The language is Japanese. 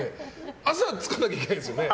朝、着かなきゃいけないんですよね。